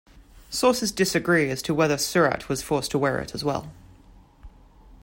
Sources disagree as to whether Surratt was forced to wear it as well.